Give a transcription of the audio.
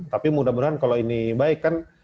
tapi mudah mudahan kalau ini baik kan